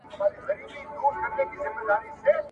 • خزانې په کنډوالو کي پيدا کېږي.